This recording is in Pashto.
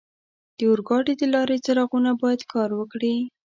د اورګاډي د لارې څراغونه باید کار وکړي.